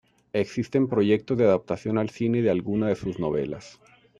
Existen proyectos de adaptación al cine de alguna de sus novelas.